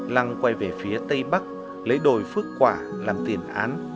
lăng quay về phía tây bắc lấy đồi phước quả làm tiền án